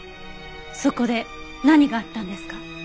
そこで何があったんですか？